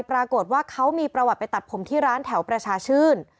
ปรากฏว่าเขามีประวัติไปตัดผมที่ร้านแถวประชาชื่น